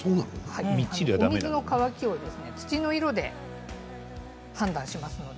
お水の乾きを土の色で判断しますので